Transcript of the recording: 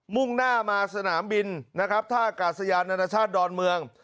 มุ่งหน้ามาสนามบินนะครับท่ากากษายาณชาติฎรมเนียล